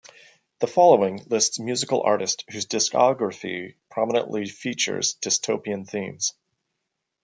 The following lists musical artists whose discography prominently features dystopian themes.